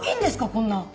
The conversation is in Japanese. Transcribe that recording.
こんな。